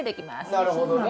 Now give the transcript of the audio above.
なるほどね。